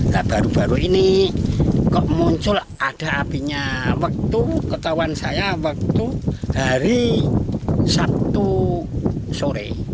nah baru baru ini muncul ada apinya waktu ketahuan saya waktu hari sabtu sore